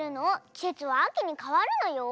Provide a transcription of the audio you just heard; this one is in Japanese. きせつはあきにかわるのよ。